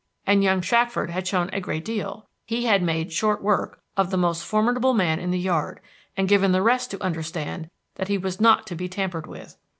And young Shackford had shown a great deal; he had made short work of the most formidable man in the yard, and given the rest to understand that he was not to be tampered with.